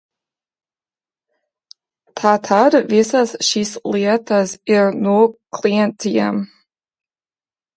Tātad visas šīs lietas ir no klientiem?